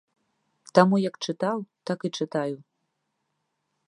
Таму як чытаў, так і чытаю.